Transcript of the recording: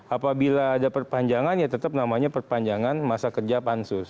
apabila ada perpanjangan ya tetap namanya perpanjangan masa kerja pansus